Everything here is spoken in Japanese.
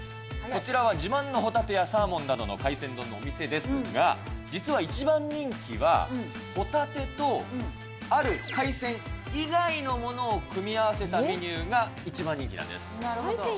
こちらは自慢のほたてやサーモンなどの海鮮丼のお店ですが、実は一番人気は、ほたてとある海鮮以外のものを組み合わせたメニューが一番人気なんです。